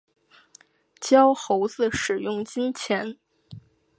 教猴子使用金钱